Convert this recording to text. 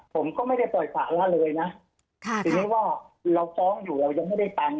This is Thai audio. ผมก็ไม่ได้ปล่อยป่าละเลยนะทีนี้ว่าเราฟ้องอยู่เรายังไม่ได้ตังค์